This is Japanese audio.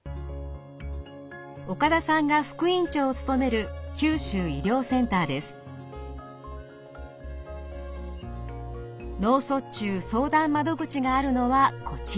岡田さんが副院長を務める脳卒中相談窓口があるのはこちら。